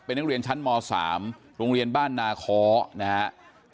เป็นนักเรียนชั้นม๓โรงเรียนบ้านนาคอนะฮะ